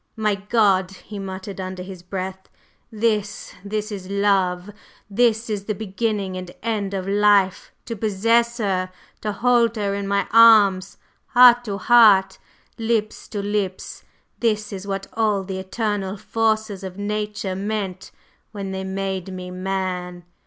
"My God!" he muttered under his breath. "This this is love! This is the beginning and end of life! To possess her, to hold her in my arms heart to heart, lips to lips … this is what all the eternal forces of Nature meant when they made me man!"